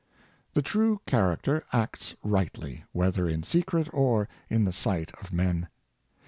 The true character acts rightly, whether in secret or in the sight of men.